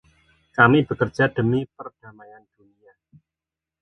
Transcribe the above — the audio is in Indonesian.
Kami bekerja demi perdamaian dunia.